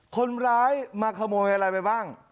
คนร้ายมาขโมยอะไรไปบ้าง